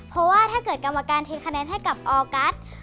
เพราะว่าถ้าเกิดกรรมการเทคะแนนให้กับออกัส